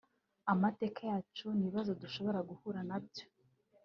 amateka yacu n’ibibazo dushobora guhura na byo